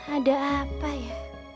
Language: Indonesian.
ada apa ya